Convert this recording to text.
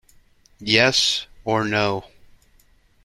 Yes or No?